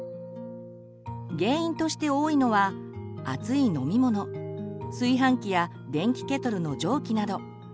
原因として多いのは熱い飲み物炊飯器や電気ケトルの蒸気など。